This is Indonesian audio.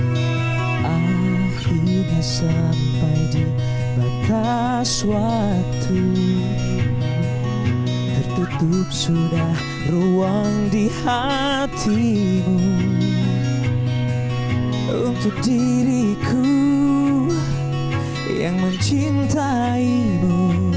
kanku akhirnya sampai di batas waktu tertutup sudah ruang di hatimu untuk diriku yang mencintaimu